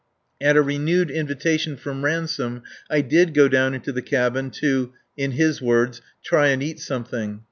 At a renewed invitation from Ransome I did go down into the cabin to in his own words "try and eat something."